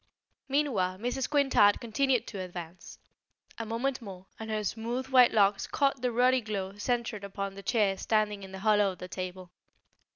Meanwhile Mrs. Quintard continued to advance. A moment more, and her smooth white locks caught the ruddy glow centred upon the chair standing in the hollow of the table.